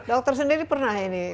dokter sendiri pernah ini